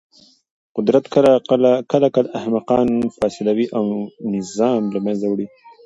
قدرت کله کله احمقان فاسدوي او نظام له منځه وړي.